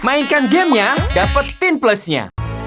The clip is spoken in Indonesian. mainkan gamenya dapetin plusnya